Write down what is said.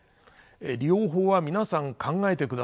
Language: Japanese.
「利用法は皆さん考えてください」